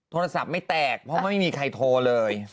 เพราะไม่มีใครโทรเลย